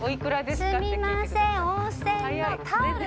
すみません。